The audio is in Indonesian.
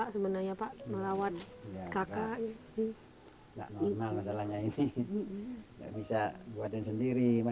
saya senang disini cuma dia kasihan